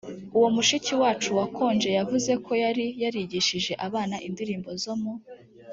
uwo mushiki wacu wakonje yavuze ko yari yarigishije abana indirimbo zo mu